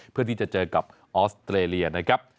เพื่อที่จะเจอกับออสเตรเลียนะครับ